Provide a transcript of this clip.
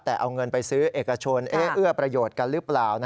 แต่เอาเงินไปซื้อเอกชนเอื้อประโยชน์กันหรือเปล่า